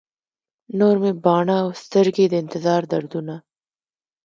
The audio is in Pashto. نور مې باڼه او سترګي، د انتظار دردونه